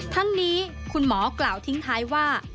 ทั้งนี้คุณหมอกล่าวทิ้งท้ายว่า